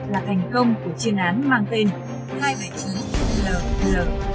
là thành công của chuyên án mang tên hai trăm bảy mươi chín l